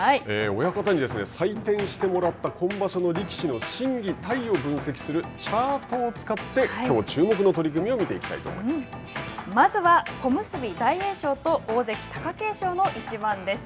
親方に採点してもらった今場所の力士の心技体を分析するチャートを使ってきょう注目の取組をまずは小結・大栄翔と大関・貴景勝の一番です。